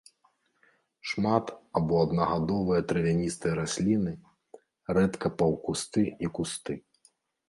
Шмат- або аднагадовыя травяністыя расліны, рэдка паўкусты і кусты.